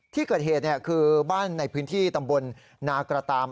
ที่เกิดเหตุคือบ้านในพื้นที่ตำบลนากระตาม